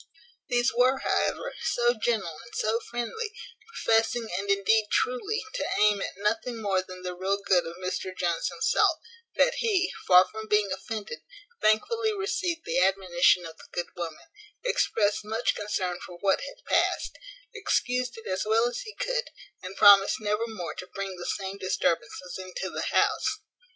These were, however, so gentle and so friendly, professing, and indeed truly, to aim at nothing more than the real good of Mr Jones himself, that he, far from being offended, thankfully received the admonition of the good woman, expressed much concern for what had past, excused it as well as he could, and promised never more to bring the same disturbances into the house.